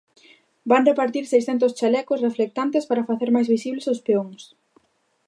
Van repartir seiscentos chalecos reflectantes, para facer máis visibles os peóns.